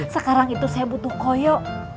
sekarang itu saya butuh koyok